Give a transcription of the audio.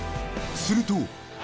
すると。